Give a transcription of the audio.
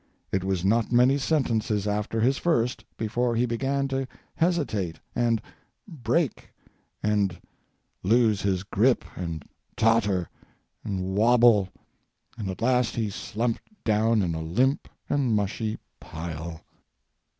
It was not many sentence's after his first before he began to hesitate, and break, and lose his grip, and totter, and wobble, and at last he slumped down in a limp and mushy pile.